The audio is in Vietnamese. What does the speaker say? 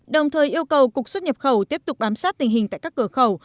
đồng thời yêu cầu cục xuất nhập khẩu tiếp tục bám sát tình hình tại các cửa khẩu